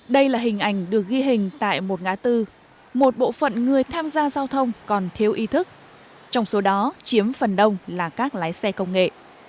đây là hình ảnh được ghi hình tại một ngã tư một bộ phận người tham gia giao thông còn thiếu ý thức trong số đó chiếm phần đông là các lái xe công nghệ